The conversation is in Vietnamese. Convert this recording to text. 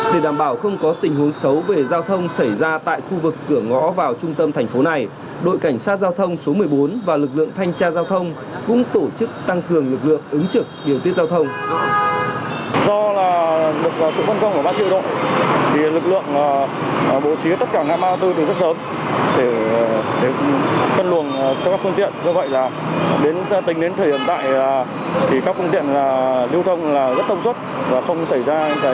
để đảm bảo không có tình huống xấu về giao thông xảy ra tại khu vực cửa ngõ vào trung tâm thành phố này đội cảnh sát giao thông số một mươi bốn và lực lượng thanh tra giao thông cũng tổ chức tăng cường lực lượng ứng trực điều tiết giao thông